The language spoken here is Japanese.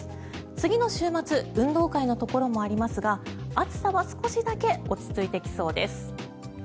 次の週末運動会のところもありますが暑さは少しだけ落ち着いてきそうです。